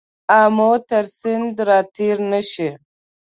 آمو تر سیند را تېر نه شې.